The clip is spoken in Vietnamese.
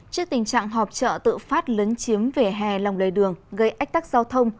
trước tình trạng họp trợ tự phát lấn chiếm về hè lòng lời đường gây ách tắc giao thông